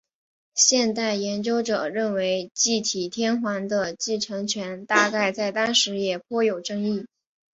现代研究者认为继体天皇的继承权大概在当时也颇有争议。